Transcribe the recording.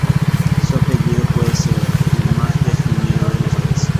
Su apellido puede ser el más definido de las tres.